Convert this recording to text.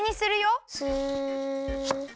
スッ。